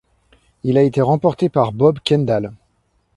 Il a été remporté par Bob Kendall.